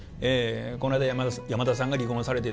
「こないだ山田さんが離婚されて」。